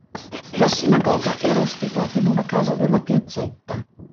La Sinagoga era ospitata in una casa della piazzetta.